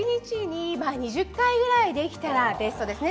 ２０回ぐらいできたらベストですね。